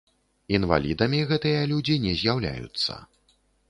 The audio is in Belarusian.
Інвалідамі гэтыя людзі не з'яўляюцца.